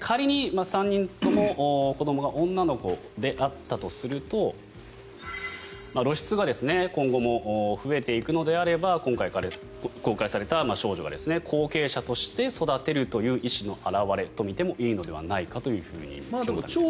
仮に３人とも子どもが女の子であったとすると露出が今後も増えていくのであれば今回、公開された子が後継者として育てるという意思の表れとも見てもいいのではないかということです。